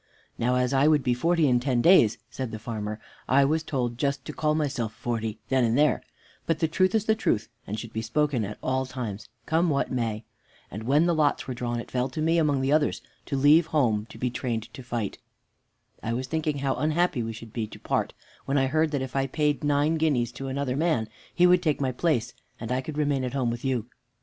"Now, as I would be forty in ten days," said the farmer, "I was told just to call myself forty then and there; but the truth is the truth, and should be spoken at all times, come what may. And when the lots were drawn, it fell to me among others to leave home to be trained to fight. I was thinking how unhappy we should be to part, when I heard that if I paid nine guineas to another man, he would take my place, and I could remain at home with you.